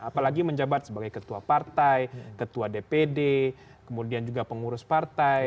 apalagi menjabat sebagai ketua partai ketua dpd kemudian juga pengurus partai